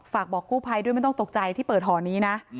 ฝากบอกกู้ภัยด้วยไม่ต้องตกใจที่เปิดหอนี้นะ